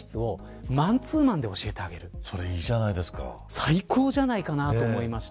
最高じゃないかなと思いました。